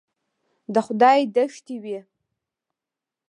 د خدای دښتې وې.